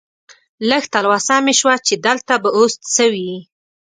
لږه تلوسه مې شوه چې دلته به اوس څه وي.